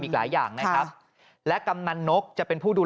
ปี๖๕วันเกิดปี๖๔ไปร่วมงานเช่นเดียวกัน